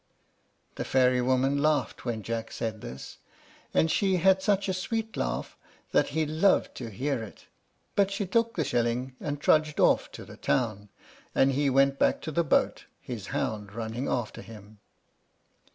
The fairy woman laughed when Jack said this, and she had such a sweet laugh that he loved to hear it; but she took the shilling, and trudged off to the town, and he went back to the boat, his hound running after him.